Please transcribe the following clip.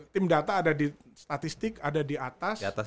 tim data ada di statistik ada di atas